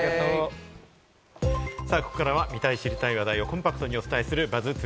ここからは見たい知りたい話題をコンパクトにお伝えするＢＵＺＺ